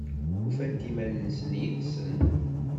Ufant iman-nsent yid-sen?